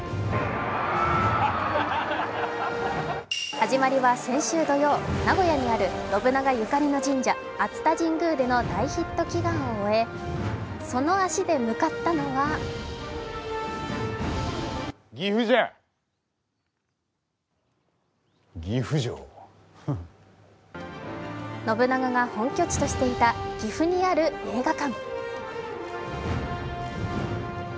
始まりは先週土曜、名古屋にある信長ゆかりの神社、熱田神宮での大ヒット祈願を終えその足で向かったのは信長が本拠地としていた岐阜にある映画館。